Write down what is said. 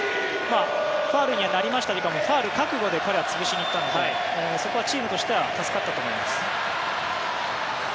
ファウルにはなりましたがファウル覚悟で彼は潰しに行きましたのでチームとしては助かったと思います。